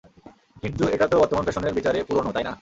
কিন্তু, এটাতো বর্তমান ফ্যাশনের বিচারে পুরনো, তাই না?